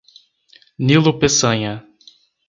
Nilo Peçanha